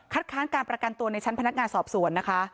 ค้านการประกันตัวในชั้นพนักงานสอบสวนนะคะ